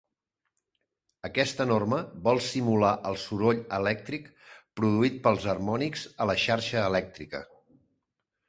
Aquesta norma vol simular el soroll elèctric produït pels harmònics a la xarxa elèctrica.